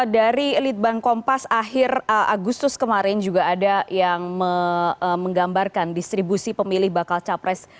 dari litbang kompas akhir agustus kemarin juga ada yang menggambarkan distribusi pemilih bakal capres